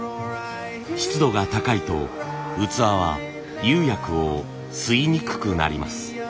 湿度が高いと器は釉薬を吸いにくくなります。